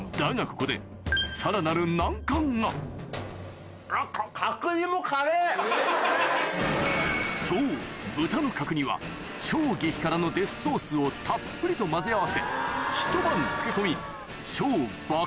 ここでさらなる難関がそう豚の角煮は超激辛のデスソースをたっぷりと混ぜ合わせひと晩漬け込み超爆